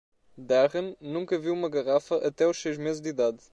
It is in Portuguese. Darren nunca viu uma garrafa até os seis meses de idade.